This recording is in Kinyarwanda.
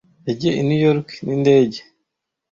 Yagiye i New York n'indege.